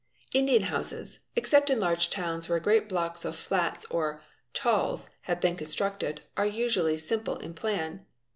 : oecen houses, except in large towns where great blocks of flats or s have been constructed, are usually simple in plan.